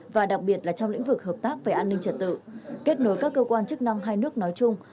và đặc biệt là trong lĩnh vực hợp tác về an ninh trật tự kết nối các cơ quan chức năng hai nước nói chung